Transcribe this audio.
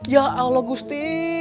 ya allah gusti